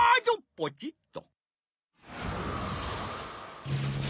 ポチっと。